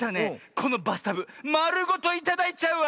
このバスタブまるごといただいちゃうわ。